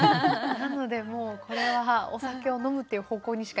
なのでもうこれはお酒を飲むっていう方向にしかいかなかったですね